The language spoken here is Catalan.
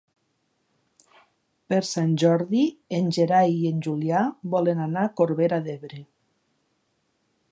Per Sant Jordi en Gerai i en Julià volen anar a Corbera d'Ebre.